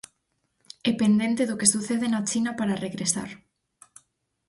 E pendente do que sucede na China para regresar.